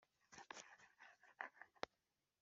Umuseke weya bakantumaho :